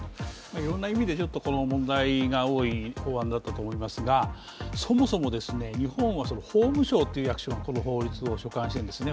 いろんな意味で問題が多い法案だったと思いますがそもそも日本は法務省という役所がこの法律を所管しているんですね。